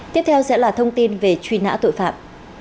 tiếp theo sẽ là thông tin về truy nã tội phạm